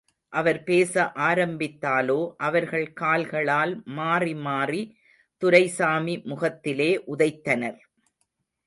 அவர் பேச ஆரம்பித்தாலோ, அவர்கள் கால்களால் மாறி மாறி துரைசாமி முகத்திலே உதைத்தனர்.